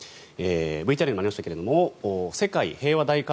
ＶＴＲにもありましたが世界平和大観